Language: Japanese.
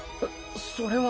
それは。